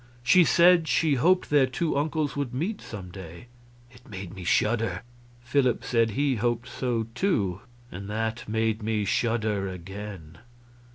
She said she hoped their two uncles would meet, some day. It made me shudder. Philip said he hoped so, too; and that made me shudder again.